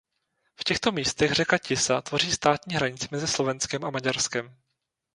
V těchto místech řeka Tisa tvoří státní hranici mezi Slovenskem a Maďarskem.